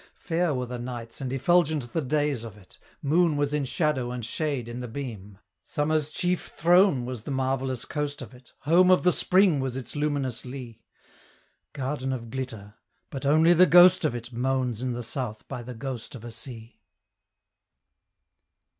Fair were the nights and effulgent the days of it Moon was in shadow and shade in the beam. Summer's chief throne was the marvellous coast of it, Home of the Spring was its luminous lea: Garden of glitter! But only the ghost of it Moans in the south by the ghost of a sea.